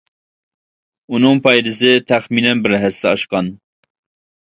ئۇنىڭ پايدىسى تەخمىنەن بىر ھەسسە ئاشقان.